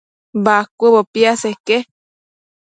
Bacuëbo piaseque